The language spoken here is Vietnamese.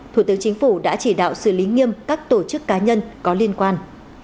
thủ tướng chính phủ đã chỉ đạo xử lý nghiêm các tổ chức cá nhân có liên quan